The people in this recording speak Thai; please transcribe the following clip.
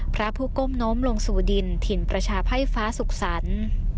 พระผู้ก้มน้มลงสู่ดินถิ่นประชาไพ่ฟ้าสุขสรรค์